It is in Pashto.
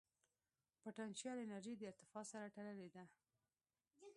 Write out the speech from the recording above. پټنشل انرژي د ارتفاع سره تړلې ده.